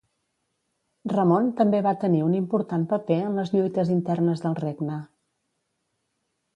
Ramon també va tenir un important paper en les lluites internes del regne.